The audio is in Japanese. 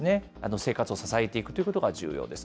生活を支えていくということが重要です。